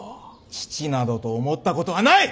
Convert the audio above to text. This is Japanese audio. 父などと思ったことはない！